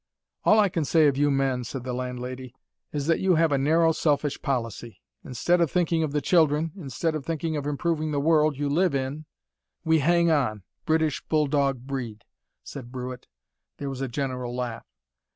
"All I can say of you men," said the landlady, "is that you have a narrow, selfish policy. Instead of thinking of the children, instead of thinking of improving the world you live in " "We hang on, British bulldog breed," said Brewitt. There was a general laugh.